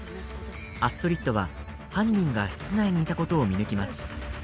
アストリッドは、犯人が室内にいたことを見抜きます。